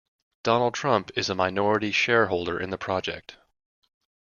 Donald Trump is a minority shareholder in the project.